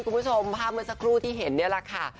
คุณผู้ชมภาพเมื่อสักครู่ที่เห็นนี่แหละค่ะ